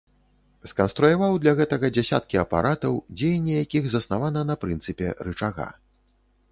Сканструяваў для гэтага дзясяткі апаратаў, дзеянне якіх заснавана на прынцыпе рычага.